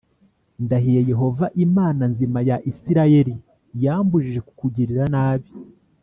ndahiye Yehova Imana nzima ya Isirayeli yambujije kukugirira nabi